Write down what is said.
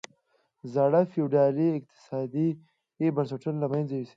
زاړه فیوډالي اقتصادي بنسټونه له منځه یوسي.